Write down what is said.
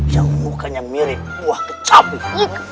yang mukanya mirip buah kecabut